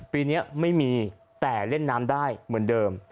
ปีนี้ไม่มีแต่เล่นน้ำได้เหมือนเดิม